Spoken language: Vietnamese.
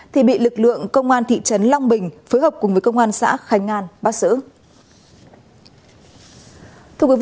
thì bị lực lượng công an thị trấn long bình phối hợp cùng với công an xã khánh an bắt xử